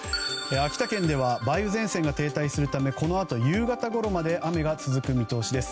秋田県では梅雨前線が停滞するためこのあと夕方ごろまで雨が続く見通しです。